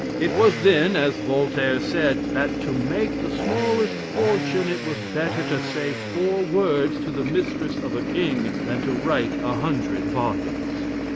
It was then, as Voltaire said, "that to make the smallest fortune, it was better to say four words to the mistress of a king, than to write a hundred volumes."